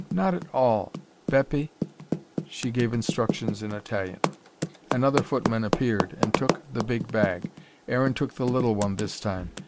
"Not at all Beppe " and she gave instructions in Italian. Another footman appeared, and took the big bag. Aaron took the little one this time.